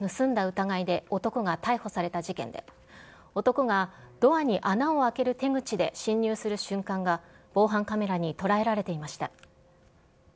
疑いで男が逮捕された事件で、男がドアに穴を開ける手口で侵入する瞬間が、防犯カメラに捉えられていました。